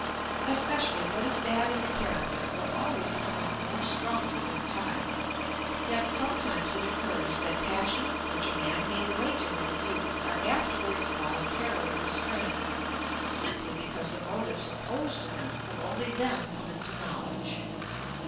Especially what is bad in the character will always come out more strongly with time, yet sometimes it occurs that passions which a man gave way to in his youth are afterwards voluntarily restrained, simply because the motives opposed to them have only then come into knowledge.